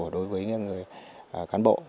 đối với cán bộ